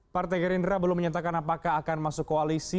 partai gerindra belum menyatakan apakah akan masuk koalisi